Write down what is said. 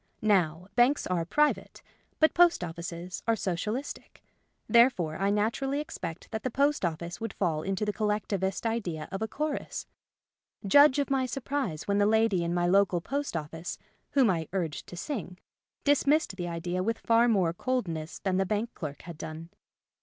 Now, banks are pri vate ; but post offices are Socialistic : there fore I naturally expected that the post office would fall into the collectivist idea of a chorus. Judge of my surprise when the lady in my local post office (whom I urged to sing) dismissed the idea with far more coldness than the bank clerk had done.